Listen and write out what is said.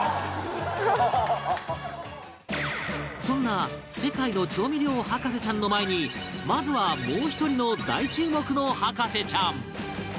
そんな世界の調味料博士ちゃんの前にまずはもう１人の大注目の博士ちゃん